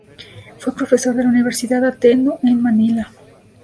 Fue profesor en la Universidad Ateneo de Manila.